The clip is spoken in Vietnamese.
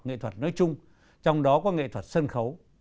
nghệ thuật nói chung trong đó có nghệ thuật sân khấu